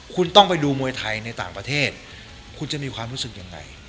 คุณต้องไปดูมวยไทยในต่างประเทศคุณจะมีความรู้สึกยังไง